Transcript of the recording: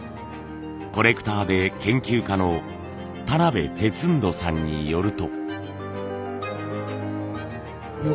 コレクターで研究家の田哲人さんによると。